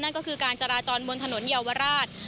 ก็คือการจราจรบนถนนเยาวราช